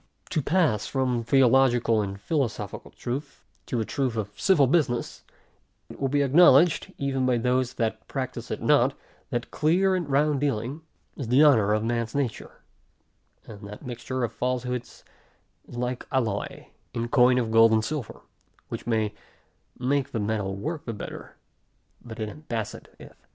To pass from theological, and philosophical truth, to the truth of civil business; it will be acknowledged, even by those that practise it not, that clear, and round dealing, is the honor of man's nature; and that mixture of falsehoods, is like alloy in coin of gold and silver, which may make the metal work the better, but it embaseth it.